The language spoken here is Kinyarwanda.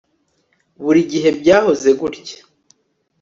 Buri gihe byahoze gutya